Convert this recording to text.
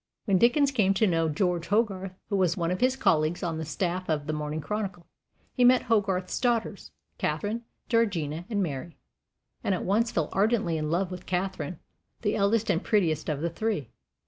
When Dickens came to know George Hogarth, who was one of his colleagues on the staff of the Morning Chronicle, he met Hogarth's daughters Catherine, Georgina, and Mary and at once fell ardently in love with Catherine, the eldest and prettiest of the three.